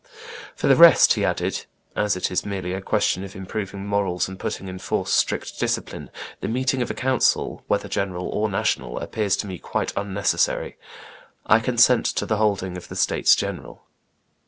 For the rest," he added, "as it is merely a question of improving morals and putting in force strict discipline, the meeting of a council, whether general or national, appears to me quite unnecessary. I consent to the holding of the states general."